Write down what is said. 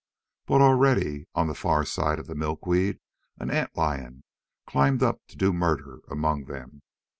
But already, on the far side of the milkweed, an ant lion climbed up to do murder among them.